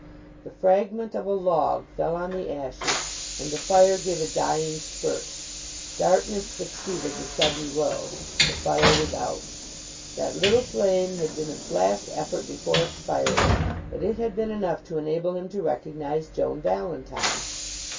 The fragment of a log fell on the ashes and the fire gave a dying spurt. Darkness succeeded the sudden glow. The fire was out. That little flame had been its last effort before expiring, but it had been enough to enable him to recognize Joan Valentine.